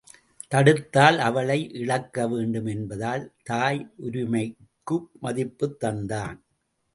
தடுத்தால் அவளை இழக்க வேண்டும் என்பதால் தாயுரிமைக்கு மதிப்புத் தந்தான்.